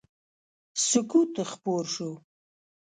سکوت خپور شو.